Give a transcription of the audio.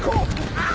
あっ！